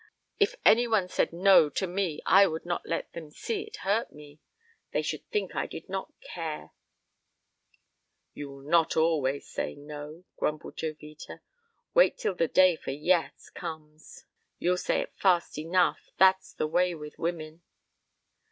If any one said 'No' to me, I would not let them see it hurt me. They should think I did not care." "You will not always say 'No,'" grumbled Jovita. "Wait till the day for 'Yes' comes. You'll say it fast enough. That's the way with women."